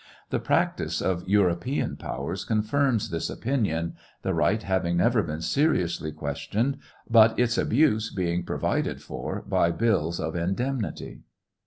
The practice of European powers confirms this opinion, the right having never been seriously questioned, but its abuse being provided for by bills of indemnity.